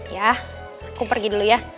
ya aku pergi dulu ya